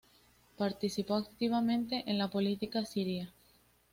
Participó activamente en la política siria.